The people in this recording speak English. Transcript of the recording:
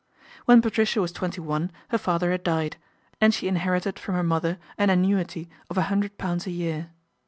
When Patricia was twenty one her father had died, and she inherited from her mother an an nuity of a hundred pounds a year.